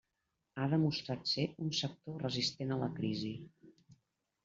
Ha demostrat ser un sector resistent a la crisi.